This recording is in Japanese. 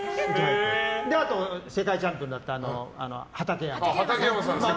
あと、世界チャンピオンになった畑山。